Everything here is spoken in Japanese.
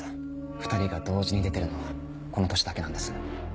２人が同時に出てるのはこの年だけなんです。